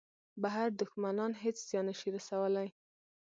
بهر دوښمنان هېڅ زیان نه شي رسولای.